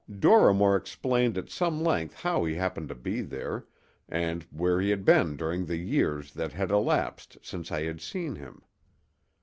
Dorrimore explained at some length how he happened to be there, and where he had been during the years that had elapsed since I had seen him.